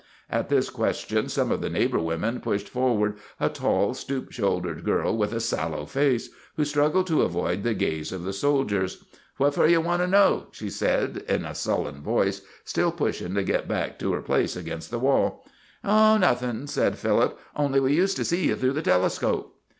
At this question some of the neighbor women pushed forward a tall, stoop shouldered girl with a sallow face, who struggled to avoid the gaze of the soldiers. "What fur ye want 'o know?" she said in a sullen voice, still pushing to get back to her place against the wall. "Oh, nothing," said Philip; "only we used to see you through the telescope."